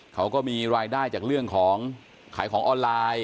เขาก็มีรายได้จากเรื่องของขายของออนไลน์